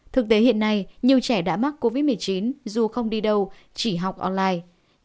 thực tế hiện nay nhiều trẻ đã mắc covid một mươi chín dù không đi đâu chỉ học online